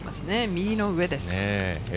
右の上です。